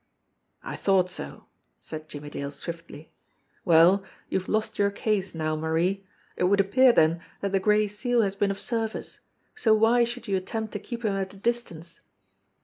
"I thought so!" said Jimmie Dale swiftly. "Well, you've lost your case, now, Marie. It would appear, then, that the Gray Seal has been of service, so why should you attempt to keep him at a distance?"